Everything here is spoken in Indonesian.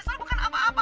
soalnya bukan apa apa